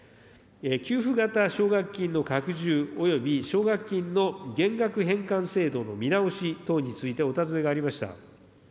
給付型奨学金の拡充、および奨学金の減額返還制度の見直し等について、お尋ねがありました。